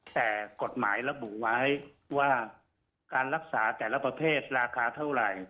แต่กฎหมายระบุไว้ว่าการรักษาแต่ละประเภทราคาเท่าไหร่